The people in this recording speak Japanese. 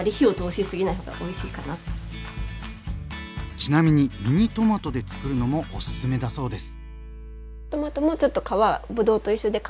ちなみにミニトマトでつくるのもおすすめだそうです。